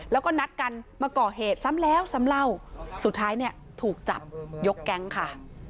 แล้วก็นัดกันมาก่อเหตุซ้ำแล้วซ้ำเล่าสุดท้ายเนี่ยถูกจับยกแก๊งค่ะ